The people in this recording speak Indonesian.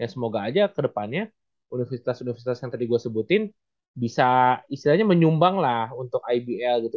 semoga aja kedepannya universitas universitas yang tadi gue sebutin bisa istilahnya menyumbang lah untuk ibl gitu